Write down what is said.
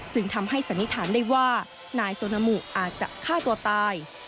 จึงทำให้สันนิษฐานได้ว่านายโซนามุอาจจะฆ่าตัวตาย